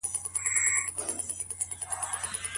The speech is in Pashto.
رسول الله به د چا نوبت په کوم ځای کي تيراوه؟